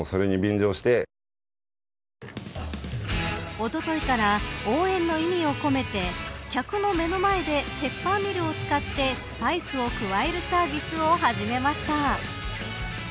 おとといから応援の意味を込めて客の目の前でペッパーミルを使ってスパイスを加えるサービスを始めました。